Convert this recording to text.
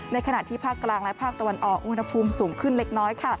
ขณะที่ภาคกลางและภาคตะวันออกอุณหภูมิสูงขึ้นเล็กน้อย